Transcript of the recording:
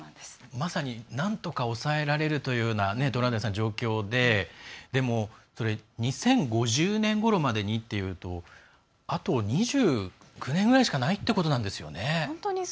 まさになんとか抑えられるというような状況ででも、２０５０年ごろまでにというとあと２９年ぐらいしかないということなんですよね。